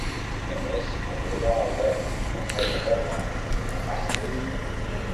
De més, atorgà el dret de moneda i de duana a Maastricht.